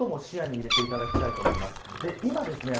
こういったことも視野に入れていただきたいと思います。